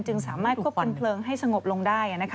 จึงสามารถควบคุกขึ้นเพลิงให้สงบลงได้นะคะ